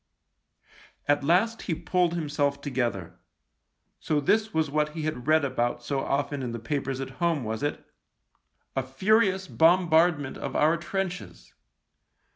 At last he pulled himself together. So this was what he had read about so often in the papers at home, was it? — "a furious bombard ment of our trenches."